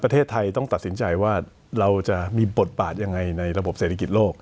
ประเทศไทยต้องตัดสินใจว่าเราจะมีบทบาทยังไงในระบบเศรษฐกิจโลก